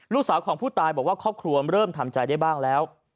ลูกสาวของผู้ตายบอกว่าครอบครัวเริ่มทำใจได้บ้างแล้ว